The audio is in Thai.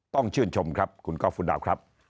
ต้องชื่นชมครับคุณก๊อฟคุณดาวครับ